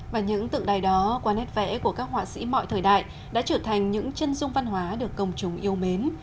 và những tượng đài đó qua nét vẽ của các họa sĩ mọi thời đại đã trở thành những chân dung văn hóa được công chúng yêu mến